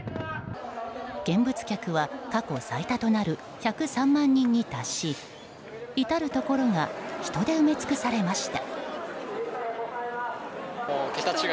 見物客は過去最多となる１０３万人に達し至るところが人で埋め尽くされました。